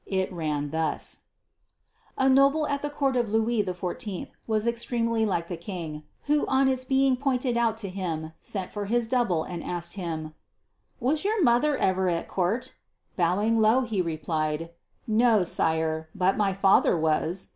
It ran thus: A noble at the Court of Louis XIV was extremely like the King, who on its being pointed out to him sent for his double and asked him: "Was your mother ever at Court?" Bowing low, he replied: "No, sire; but my father was!"